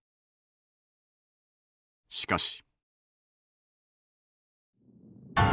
しかし。